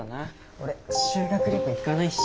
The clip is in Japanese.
俺修学旅行行かないし。